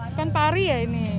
ikan pari ya ini